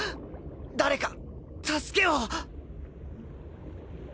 誰か助けを